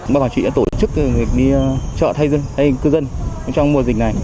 ban quản trị đã tổ chức việc đi chợ thay dân thay cư dân trong mùa dịch này